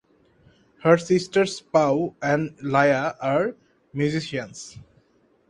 Her sisters Pau and Laia are musicians.